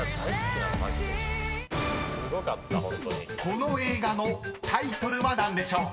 ［この映画のタイトルは何でしょう？］